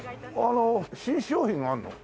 あの新商品があるの？